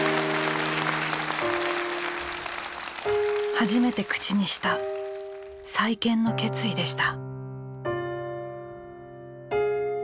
初めて口にした再建の決意でした。